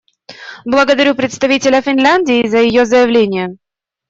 Благодарю представителя Финляндии за ее заявление.